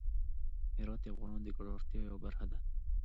هرات د افغانانو د ګټورتیا یوه برخه ده.